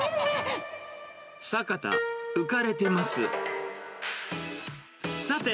坂田、浮かれてます。